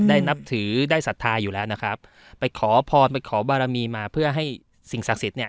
นับถือได้ศรัทธาอยู่แล้วนะครับไปขอพรไปขอบารมีมาเพื่อให้สิ่งศักดิ์สิทธิ์เนี่ย